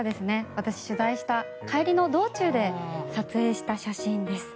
私、取材した帰りの道中で撮影した写真です。